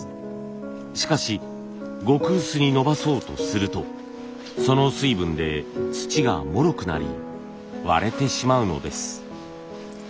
しかし極薄にのばそうとするとその水分で土がもろくなり割れてしまうのです。